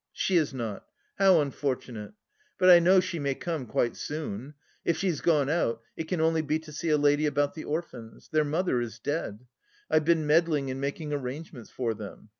She is not. How unfortunate! But I know she may come quite soon. If she's gone out, it can only be to see a lady about the orphans. Their mother is dead.... I've been meddling and making arrangements for them.